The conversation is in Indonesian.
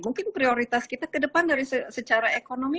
mungkin prioritas kita ke depan dari secara ekonomi